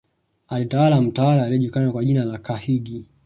Alitawala mtawala aliyejulikana kwa jina la Kahigi